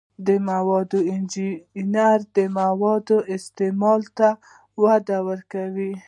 د موادو انجنیری د موادو استعمال ته وده ورکوي.